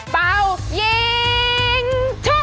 เป้ายิงชุบ